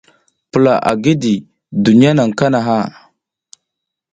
Pula a gidi, duniya naƞ kanaha.